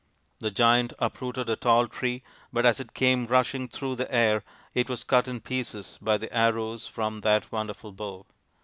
The giant uprooted a tall tree, but as it came rushing through the air it was cut in pieces by the arrows from that wonderful bow.